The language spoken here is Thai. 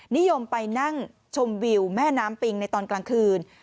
นิยมไปนั่งชมวิวแม่น้ำปิงในตอนกลางคืน